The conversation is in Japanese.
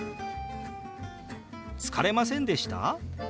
「疲れませんでした？」。